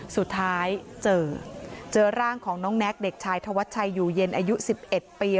สุดท้ายเจอเจอร่างของน้องแน็กเด็กชายธวัชชัยอยู่เย็นอายุ๑๑ปี